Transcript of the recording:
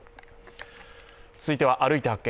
続いては「歩いて発見！